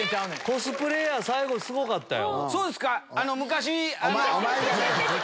コスプレーヤー最後すごかったよ。